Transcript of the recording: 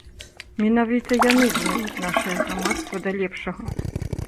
Менавіта яны зменяць нашае грамадства да лепшага.